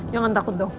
jangan takut dong